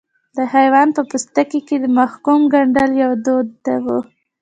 د حیوان په پوستکي کې د محکوم ګنډل یو دود و.